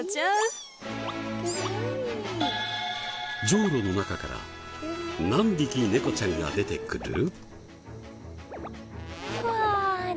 ジョウロの中から何匹猫ちゃんが出てくる？